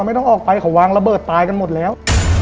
ไม่ต้องออกไปเขาวางระเบิดตายกันหมดแล้ว